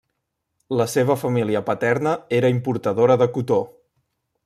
La seva família paterna era importadora de cotó.